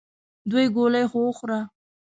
دوې ګولې خو وخوره !